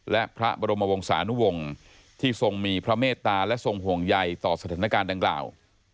และพระบรมวงศานุวงศ์ที่ทรงมีพระเมตตาและทรงห่วงใยต่อสถานการณ์ดังกล่าว